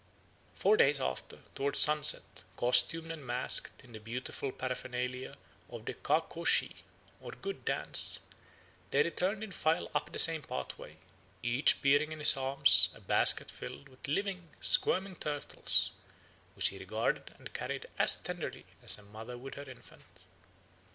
"Four days after, towards sunset, costumed and masked in the beautiful paraphernalia of the Ka k'ok shi, or 'Good Dance,' they returned in file up the same pathway, each bearing in his arms a basket filled with living, squirming turtles, which he regarded and carried as tenderly as a mother would her infant.